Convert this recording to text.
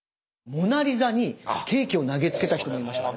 「モナ・リザ」にケーキを投げつけた人もいましたもんね。